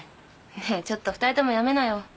ねえちょっと２人ともやめなよ。